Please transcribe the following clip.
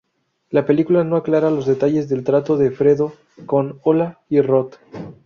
La película no aclara los detalles del trato de Fredo con Ola y Roth.